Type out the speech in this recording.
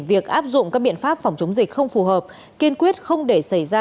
việc áp dụng các biện pháp phòng chống dịch không phù hợp kiên quyết không để xảy ra